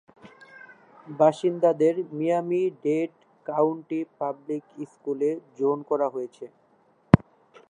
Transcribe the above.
বাসিন্দাদের Miami Dade County Public স্কুলে জোন করা হয়েছে।